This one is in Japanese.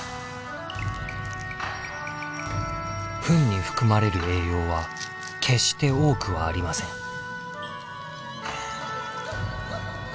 フンに含まれる栄養は決して多くはありません。